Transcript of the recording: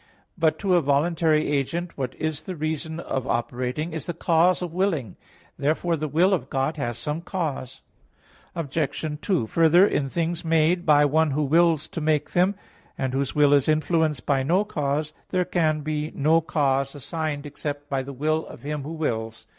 But to a voluntary agent, what is the reason of operating, is the cause of willing. Therefore the will of God has some cause. Obj. 2: Further, in things made by one who wills to make them, and whose will is influenced by no cause, there can be no cause assigned except by the will of him who wills.